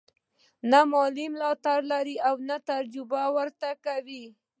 نه مالي ملاتړ لري او نه توجه ورته کوي.